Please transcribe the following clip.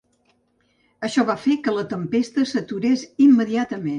Això va fer que la tempesta s’aturés immediatament.